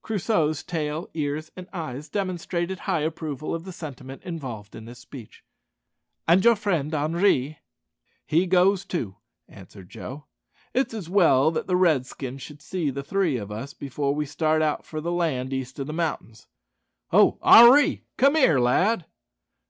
Crusoe's tail, ears, and eyes demonstrated high approval of the sentiment involved in this speech. "And your friend Henri?" "He goes too," answered Joe. "It's as well that the Redskins should see the three o' us before we start for the east side o' the mountains. Ho, Henri! come here, lad."